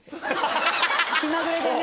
気まぐれでね。